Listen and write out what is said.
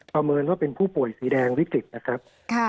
เมินว่าเป็นผู้ป่วยสีแดงวิกฤตนะครับ